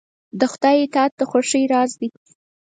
د خدای اطاعت د خوښۍ راز دی.